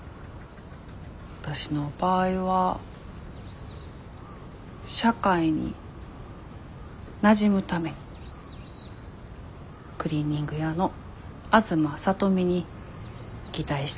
わたしの場合は社会になじむために「クリーニング屋の東聡美」に擬態したんです。